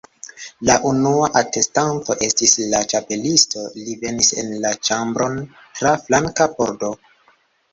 La unua atestanto estis la Ĉapelisto. Li venis en la ĉambron tra flanka pordo.